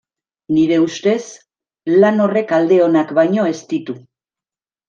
Nire ustez, lan horrek alde onak baino ez ditu.